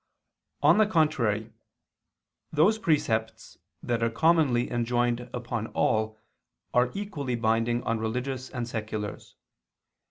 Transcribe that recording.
On the contrary, Those precepts that are commonly enjoined upon all are equally binding on religious and seculars.